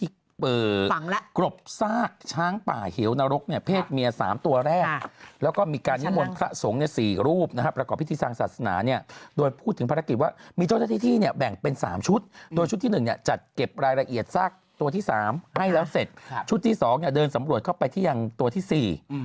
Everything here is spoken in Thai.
เค้ายังบอกเลยว่าถ้าเกิดไม่ได้เข้าที่ญี่ปุ่นแต่เข้าที่อื่นน่าก็จะเกลียดใหม่กว่านี้